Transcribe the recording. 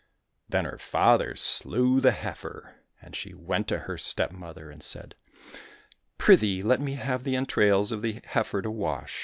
Then her father slew the heifer, and she went to her stepmother and said, '' Pry thee, let me have the entrails of the heifer to wash